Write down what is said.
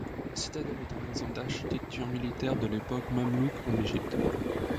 La citadelle est un exemple d'architecture militaire de l'époque mamelouke en Égypte.